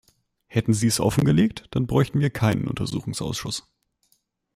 Hätten Sie es offengelegt, dann bräuchten wir keinen Untersuchungsausschuss!